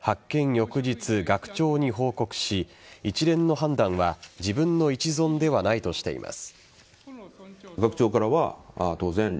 翌日、学長に報告し一連の判断は自分の一存ではないとしています。